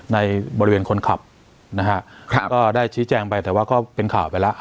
ในบริเวณคนขับนะฮะก็ได้ชี้แจงไปแต่ว่าก็เป็นข่าวไปแล้ว